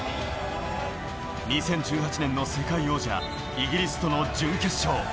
２０１８年の世界王者イギリスとの準決勝。